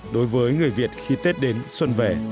đối với người việt khi tết đến xuân về